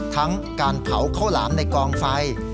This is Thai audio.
ทั้งการเผาข้าวหลามในกองไฟ